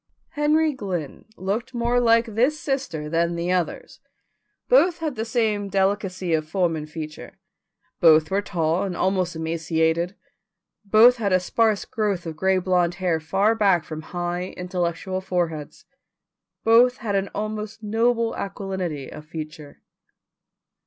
Henry Glynn looked more like this sister than the others. Both had the same hard delicacy of form and feature, both were tall and almost emaciated, both had a sparse growth of gray blond hair far back from high intellectual foreheads, both had an almost noble aquilinity of feature.